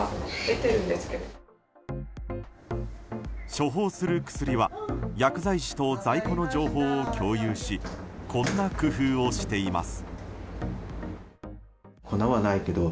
処方する薬は薬剤師と在庫の情報を共有しこんな工夫をしています。